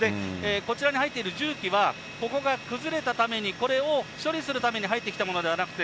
こちらに入っている重機は、ここが崩れたために、これを処理するために入ってきたものではなくて、